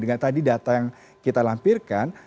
dengan tadi data yang kita lampirkan